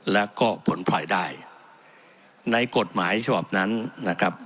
แล้วก็ผลพลอยได้ในกฎหมายฉบับนั้นนะครับ